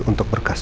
untuk berkas itu